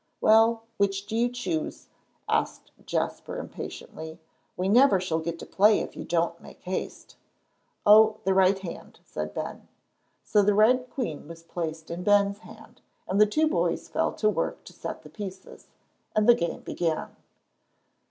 "Well, which do you choose?" said Jasper, impatiently. "We never shall get to playing if you don't make haste." "Oh, the right hand," said Ben. So the red queen was placed in Ben's hand, and the two boys fell to work to set the pieces. And the game began.